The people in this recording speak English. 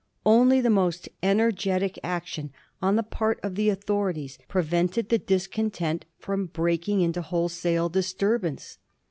Only the most ener getic action on the part of the authorities prevented the discontent from breaking into wholesale disturbance.